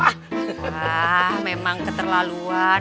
wah memang keterlaluan